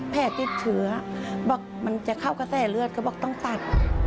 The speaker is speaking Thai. แผลติดเชื้อบอกมันจะเข้ากระแสเลือดก็บอกต้องตัด